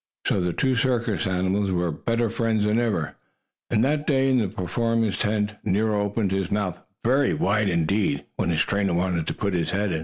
So the two circus animals were better friends than ever, and that day in the performers' tent Nero opened his mouth very wide indeed when his trainer wanted to put in his head.